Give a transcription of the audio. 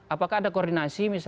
apakah ada koordinasi